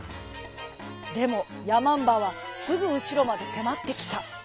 でもやまんばはすぐうしろまでせまってきた。